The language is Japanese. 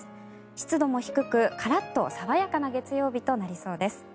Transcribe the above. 湿度も低くカラッと爽やかな月曜日となりそうです。